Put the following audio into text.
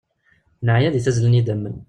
Neɛya di tazzla n yidammen.